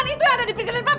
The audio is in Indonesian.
seru aja om ridwan